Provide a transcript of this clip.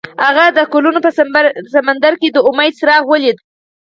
هغه د ګلونه په سمندر کې د امید څراغ ولید.